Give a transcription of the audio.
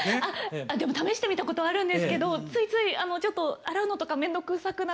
でも試してみたことはあるんですけどついついちょっと洗うのとか面倒くさくなって。